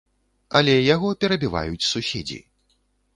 Але яго перабіваюць суседзі.